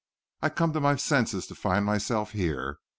I come to my senses to find myself here.